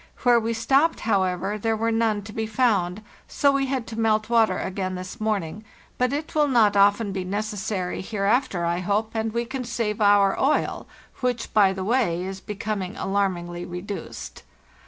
Where we stopped, however, there were none to be found, so we had to melt water again this morning; but S it will not often be necessary hereafter, I hope, and we can save our oil, which, by the way, is becoming alarm ingly reduced.